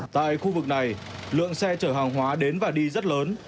tại khu vực này lượng xe chở hàng hóa đến và đi rất lớn